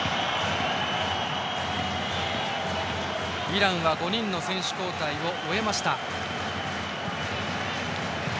イランは５人の選手交代を終えました。